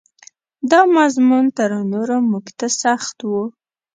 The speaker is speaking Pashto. دا مضمون تر نورو موږ ته سخت و.